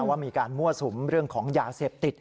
ว่ามีการมั่วสุมเรื่องของยาเสพติด